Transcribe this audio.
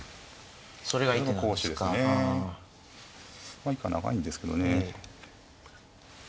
まあ以下長いんですけどね。